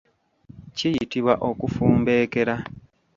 Kiyitibwa okufumbeekera.